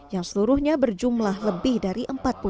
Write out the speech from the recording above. yang seluruhnya berjumlah lebih dari empat puluh lima